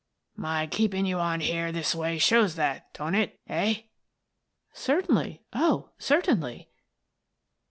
" My keeping you on here this way shows that, don't it, eh?" " Certainly — oh, certainly